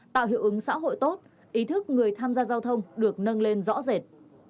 tạo hiệu ứng xã hội tốt ý thức người tham gia giao thông được nâng lên rõ rệt